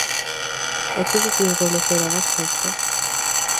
E que dicir do lecer e das festas?